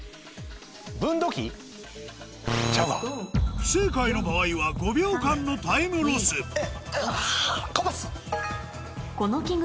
不正解の場合は５秒間のタイムロスあ。